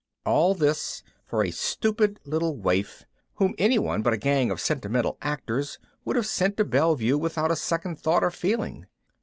All this for a stupid little waif, whom anyone but a gang of sentimental actors would have sent to Bellevue without a second thought or feeling.